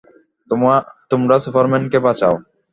তোমরা সুপারম্যানকে বাঁচাও।